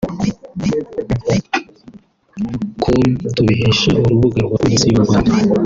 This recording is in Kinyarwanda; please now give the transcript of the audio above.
com tubikesha urubuga rwa Polisi y’u Rwanda